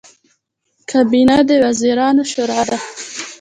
کابینه د وزیرانو شورا ده